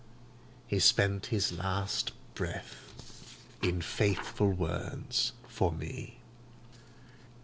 He spent his last breath in faithful words for me.